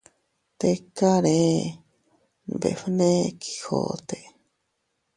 —Tikaree— nbefne Quijote—.